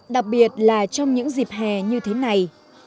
đặc biệt là trong những dịp hè như thế này